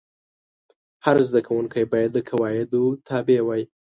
هر زده کوونکی باید د قواعدو تابع وای.